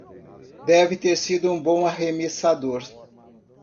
Deve ter sido um bom arremessador.